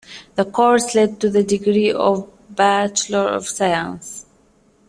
The course led to the degree of Bachelor of Science.